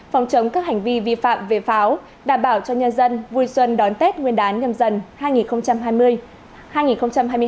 phòng chống các hành vi vi phạm về pháo đảm bảo cho nhân dân vui xuân đón tết nguyên đán nhâm dần hai nghìn hai mươi một